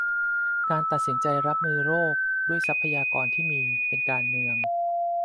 การตัดสินใจรับมือโรคด้วยทรัพยากรที่มี เป็นการเมือง